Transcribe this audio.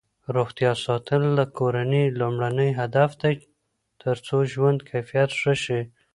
روغتیا ساتل د کورنۍ لومړنی هدف دی ترڅو ژوند کیفیت ښه شي.